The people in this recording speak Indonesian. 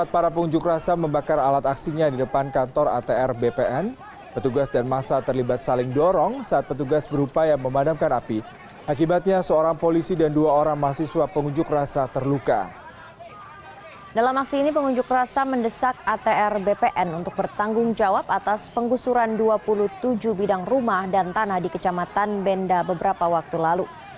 pengjuk rasa menuntut atr bpn kota tanggerang bertanggung jawab atas pengusuran rumah dan tanah warga